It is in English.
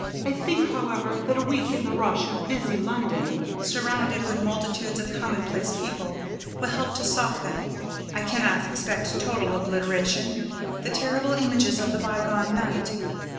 I think, however, that a week in the rush of busy London, surrounded with multitudes of commonplace people, will help to soften I cannot expect total obliteration the terrible images of the bygone night.